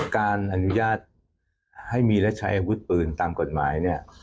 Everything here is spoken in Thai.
การอนุญาตให้มีและใช้อาวุธปืนตามกฎหมายเนี่ย